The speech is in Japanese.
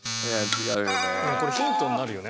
でもこれヒントになるよね。